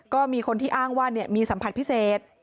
ก็มีคนที่อ้างว่ามีสัมผัสพิเศษ